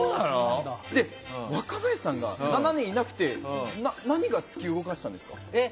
若林さん、７年いなくて何が突き動かしたんですか？